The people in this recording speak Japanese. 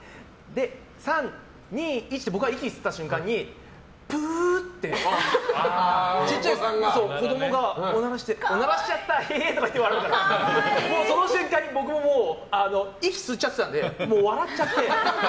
３、２、１って僕が息吸った瞬間にプーって、小さい子供がおならして、おならしちゃった！へへっとか言って笑ってその瞬間に僕も息を吸っていたのでもう笑っちゃって。